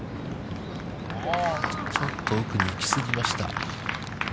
ちょっと奥に行き過ぎました。